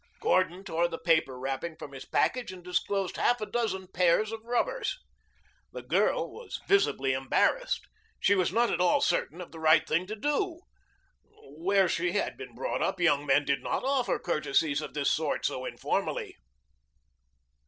Gordon tore the paper wrapping from his package and disclosed half a dozen pairs of rubbers. The girl was visibly embarrassed. She was not at all certain of the right thing to do. Where she had been brought up young men did not offer courtesies of this sort so informally.